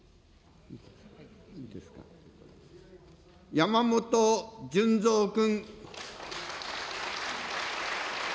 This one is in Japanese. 山本順三君。